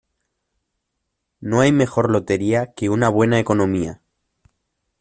No hay mejor lotería que una buena economía.